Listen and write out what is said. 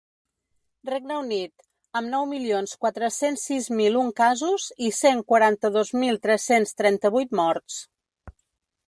Regne Unit, amb nou milions quatre-cents sis mil un casos i cent quaranta-dos mil tres-cents trenta-vuit morts.